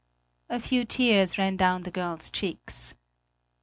A few tears ran down the girl's cheeks.